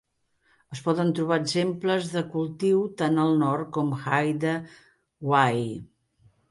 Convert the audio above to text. Es poden trobar exemples de cultiu tan al nord com Haida Gwaii.